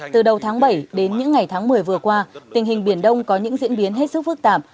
từ đầu tháng bảy đến những ngày tháng một mươi vừa qua tình hình biển đông có những diễn biến hết sức phức tạp